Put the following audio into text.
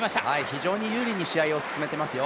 非常に有利に試合を進めてますよ。